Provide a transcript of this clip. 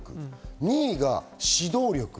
２位が指導力。